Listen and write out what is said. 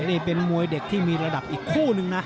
นี่เป็นมวยเด็กที่มีระดับอีกคู่นึงนะ